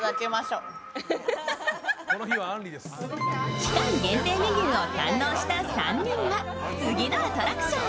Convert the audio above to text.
期間限定メニューを堪能した３人は次のアトラクションへ。